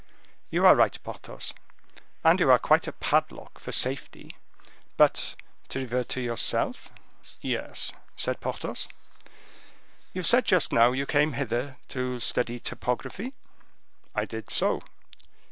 "You are right, Porthos; and you are quite a padlock for safety. But, to revert to yourself?" "Yes," said Porthos. "You said just now you came hither to study topography?" "I did so."